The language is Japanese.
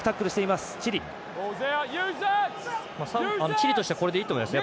チリとしてはこれでいいと思います。